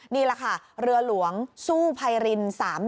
นี่ละค่ะเหลือหลวงซู่ภัยริน๓๑๓